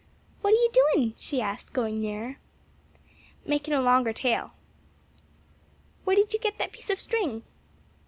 "What are you doing?" she asked, going nearer. "Makin' a longer tail." "Where did you get that piece of string?"